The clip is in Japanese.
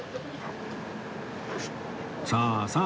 さあさあ